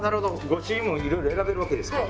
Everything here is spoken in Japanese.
御朱印もいろいろ選べるわけですか。